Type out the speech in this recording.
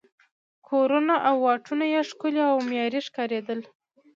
کورونه او واټونه یې ښکلي او معیاري ښکارېدل.